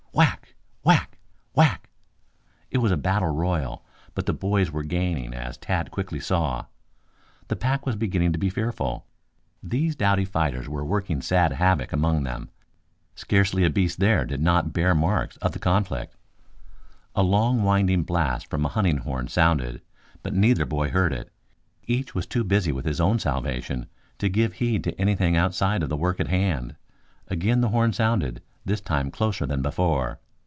Whack! Whack! Whack! It was a battle royal. But the boys were gaining, as Tad quickly saw. The pack was beginning to be fearful. These doughty fighters were working sad havoc among them. Scarcely a beast there that did not bear marks of the conflict. A long winding blast from a hunting horn sounded, but neither boy heard it. Each was too busy with his own salvation to give heed to anything outside of the work at hand. Again the horn sounded, this time closer than before.